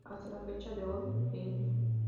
Hasta la fecha de hoy, "Lynch.